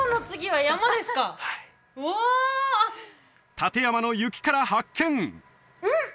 はい立山の雪から発見うん！